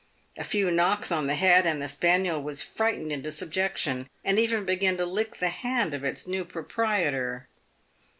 A few knocks on the head and the spaniel was frightened into subjection, and even began to lick the hand of its new proprietor.